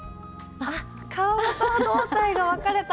あっ顔と胴体が分かれた！